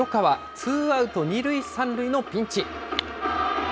ツーアウト２塁３塁のピンチ。